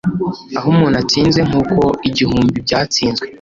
aho umuntu atsinze nkuko igihumbi byatsinzwe,